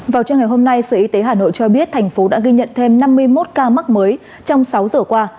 vào trưa ngày hôm nay sở y tế hà nội cho biết thành phố đã ghi nhận thêm năm mươi một ca mắc mới trong sáu giờ qua